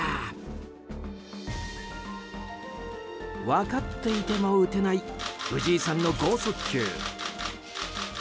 分かっていても打てない藤井さんの豪速球。